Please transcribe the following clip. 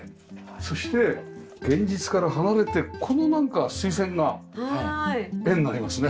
そして現実から離れてこの水栓が絵になりますね。